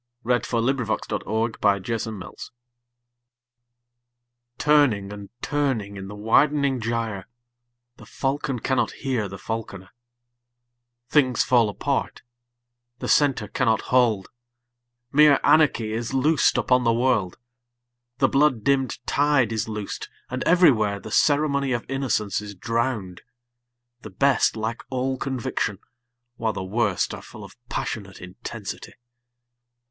William Butler Yeats The Second Coming TURNING and turning in the widening gyre The falcon cannot hear the falconer; Things fall apart; the centre cannot hold; Mere anarchy is loosed upon the world, The blood dimmed tide is loosed, and everywhere The ceremony of innocence is drowned; The best lack all conviction, while the worst Are full of passionate intensity.